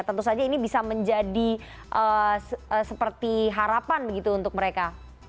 tentu saja ini bisa menjadi seperti harapan begitu untuk mereka